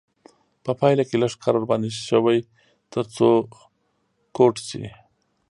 په پایله کې لږ کار ورباندې شوی تر څو کوټ شي.